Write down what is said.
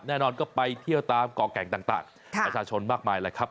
แน่นอนก็ไปเที่ยวตามก่อแก่งต่างประชาชนมากมายแหละครับ